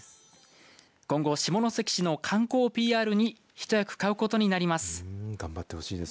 今後、下関市の観光ＰＲにひと役買うことになります。